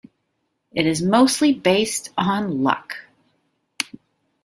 It is mostly based on luck.